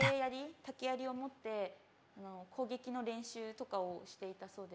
竹やりを持って攻撃の練習とかをしていたそうです。